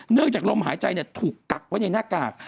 จากลมหายใจถูกกักไว้ในหน้ากาก